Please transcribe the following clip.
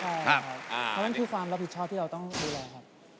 เพราะฉะนั้นคือความรับผิดชอบที่เราต้องดูแลครับ